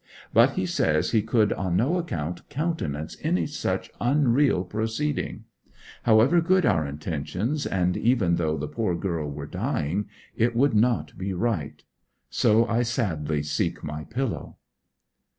But he says he could on no account countenance any such unreal proceeding; however good our intentions, and even though the poor girl were dying, it would not be right. So I sadly seek my pillow.